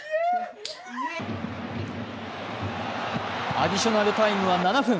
アディショナルタイムは７分。